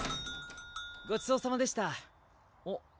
ごちそうさまでしたあっ